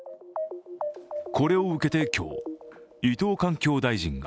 これを受けて今日、伊藤環境大臣が